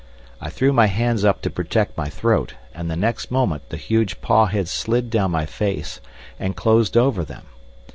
I threw my hands up to protect my throat, and the next moment the huge paw had slid down my face and closed over them.